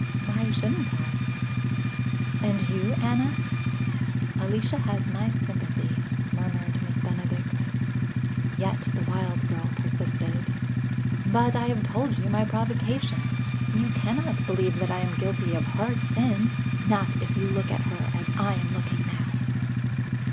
"Why shouldn't I?" "And you, Anna?" "Alicia has my sympathy," murmured Miss Benedict. Yet the wild girl persisted. "But I have told you my provocation. You cannot believe that I am guilty of her sin; not if you look at her as I am looking now."